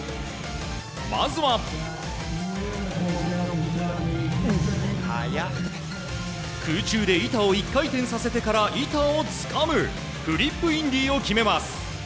まずは空中で板を１回転させてから板をつかむフリップインディを決めます。